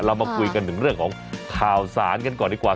เรามาคุยกันถึงเรื่องของข่าวสารกันก่อนดีกว่า